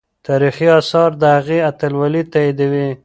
تاریخي آثار د هغې اتلولي تاییدوي.